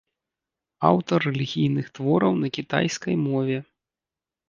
Аўтар рэлігійных твораў на кітайскай мове.